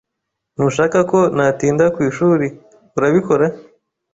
Ntushaka ko natinda ku ishuri, urabikora?